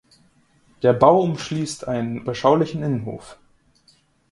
Der Bau umschließt einen beschaulichen Innenhof.